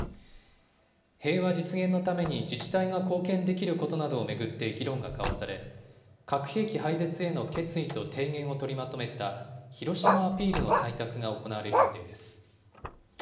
平和実現のために自治体が貢献できることなどを巡って議論が交わされ、核兵器廃絶への決意と提言を取りまとめたヒロシマアピールの採択が行われる予定です。